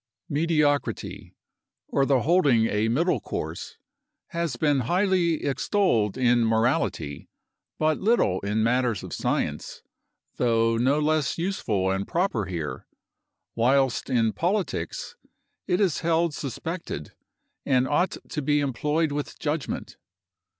Mediocrity, or the holding a middle course, has been highly extolled in morality, but little in matters of science, though no less useful and proper here; whilst in politics it is held suspected, and ought to be employed with judgment.